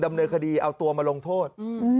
ดำเนินคดีเอาตัวมาลงโทษ